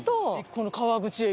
この川口駅。